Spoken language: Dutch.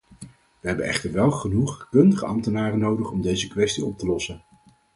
Wij hebben echter wel genoeg kundige ambtenaren nodig om deze kwestie op te lossen.